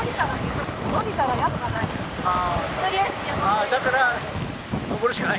ああだから登るしかないと。